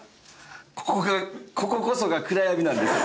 ここがこここそが暗闇なんです。